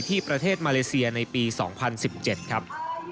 ที่ประเทศมาเลเซียในปี๒๐๑๗ครับ